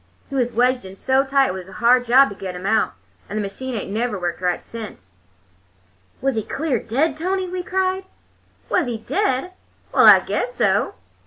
He was wedged in so tight it was a hard job to get him out, and the machine ain't never worked right since." "Was he clear dead, Tony?" we cried. "Was he dead? Well, I guess so!